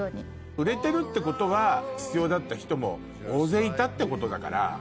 売れてるってことは必要だった人も大勢いたってことだから。